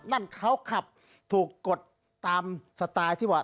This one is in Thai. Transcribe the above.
นั่นเขาขับถูกกดตามสไตล์ที่ว่า